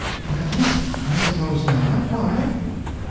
"Well, I suppose not. Why?"